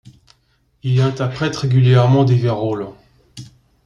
Il y interprète régulièrement divers rôles.